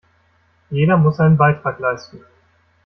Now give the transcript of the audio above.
Jeder muss seinen Beitrag leisten.